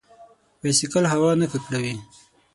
بایسکل هوا نه ککړوي.